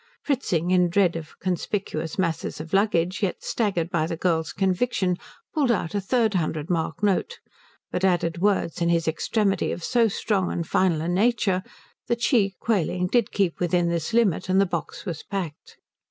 Fritzing, in dread of conspicuous masses of luggage, yet staggered by the girl's conviction, pulled out a third hundred mark note, but added words in his extremity of so strong and final a nature, that she, quailing, did keep within this limit, and the box was packed.